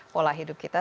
pola hidup kita